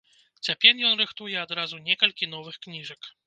Цяпер ён рыхтуе адразу некалькі новых кніжак.